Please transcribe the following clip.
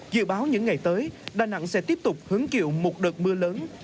dự báo những ngày tới đà nẵng sẽ tiếp tục hứng chịu một đợt mưa lớn